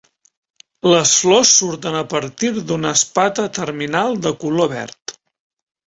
Les flors surten a partir d'una espata terminal de color verd.